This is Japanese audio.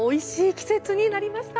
季節になりました。